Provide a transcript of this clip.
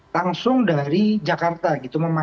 langsung dari jakarta gitu